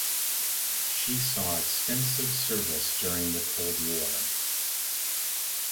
She saw extensive service during the Cold War.